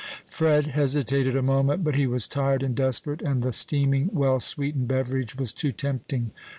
Fred hesitated a moment; but he was tired and desperate, and the steaming, well sweetened beverage was too tempting.